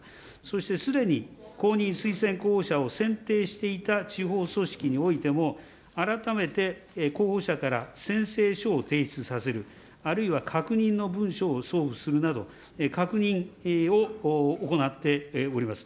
そしてすでに、公認推薦候補者を選定していた地方組織においても、改めて候補者から宣誓書を提出させる、あるいは確認の文書を送付するなど、確認を行っております。